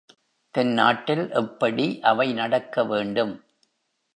தென்னாட்டில் எப்படி அவை நடக்க வேண்டும்?